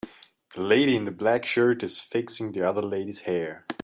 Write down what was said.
The lady in the black shirt is fixing the other lady 's hair.